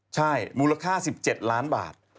ใช่มูลค่า๑๗ล้านบาท